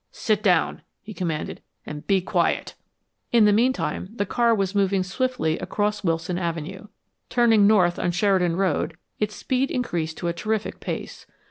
"Sit down," he commanded, "and be quiet." In the meantime, the car was moving swiftly across Wilson Avenue. Turning north on Sheridan Road, its speed increased to a terrific pace.